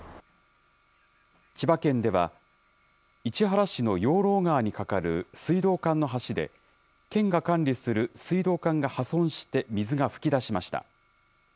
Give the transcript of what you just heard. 千葉県では、市原市の養老川に架かる水道管の橋で、県が管理する水道管が破損して水が噴き出しました。